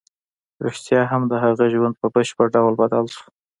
رښتیا هم د هغه ژوند په بشپړ ډول بدل شو